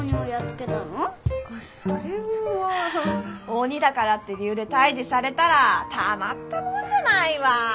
鬼だからって理由で退治されたらたまったもんじゃないわ。